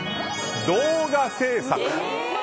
動画制作。